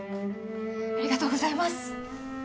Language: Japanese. ありがとうございます！